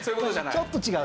ちょっと違う。